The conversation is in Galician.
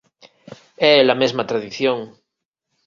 É ela mesma tradición.